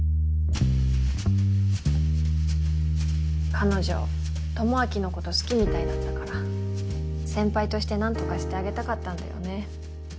彼女智明のこと好きみたいだったから先輩として何とかしてあげたかったんだよね。